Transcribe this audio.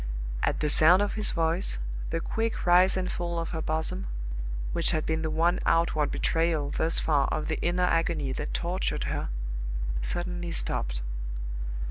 At the sound of his voice, the quick rise and fall of her bosom which had been the one outward betrayal thus far of the inner agony that tortured her suddenly stopped.